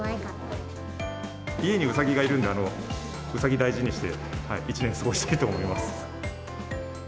家にうさぎがいるんで、うさぎ大事にして、一年過ごしたいと思います。